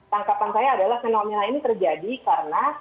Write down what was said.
tangkapan saya adalah fenomena ini terjadi karena